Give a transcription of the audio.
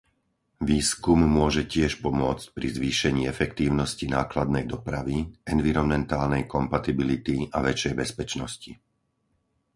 Výskum môže tiež pomôcť pri zvýšení efektívnosti nákladnej dopravy, environmentálnej kompatibility a väčšej bezpečnosti.